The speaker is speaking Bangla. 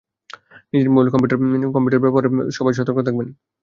নিজের মোবাইল, কম্পিউটার ব্যবহারে সবাই সতর্ক থাকবেন।